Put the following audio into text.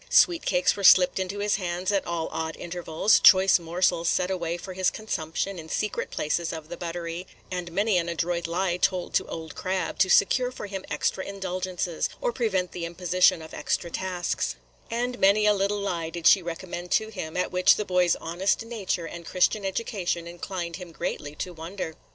Sweet cakes were slipped into his hands at all odd intervals, choice morsels set away for his consumption in secret places of the buttery, and many an adroit lie told to Old Crab to secure for him extra indulgences, or prevent the imposition of extra tasks; and many a little lie did she recommend to him, at which the boy's honest nature and Christian education inclined him greatly to wonder.